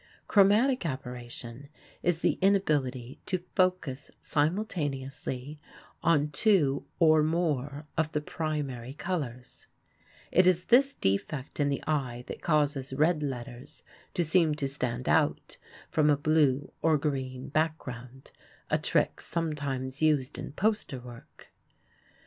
Chromatic aberration is the inability to focus simultaneously on two or more of the primary colors (it is this defect in the eye that causes red letters to seem to stand out from a blue or green background, a trick sometimes used in poster work).